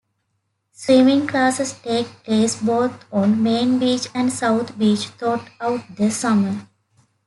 Swimming classes take place both on Main Beach and South Beach throughout the summer.